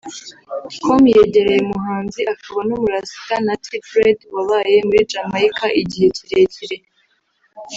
com yegereye Umuhanzi akaba n’umurasita Natty Dread wabaye muri Jamaica igihe kirekire